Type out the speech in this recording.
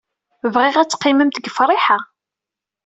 Bɣiɣ ad teqqimemt deg Friḥa.